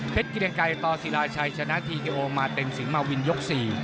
เพชรกินไกรต่อสีราชัยชนะทีเกียวโอ้งมาเต็มสิงห์มาวินยก๔